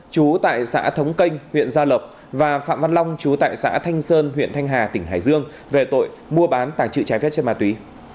chú tại xã thống canh huyện gia lộc và phạm văn long chú tại xã thanh sơn huyện thanh hà tỉnh hải dương về tội mua bán tàng trự trái phép trên ma túy